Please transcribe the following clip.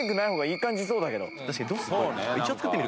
確かにどうする？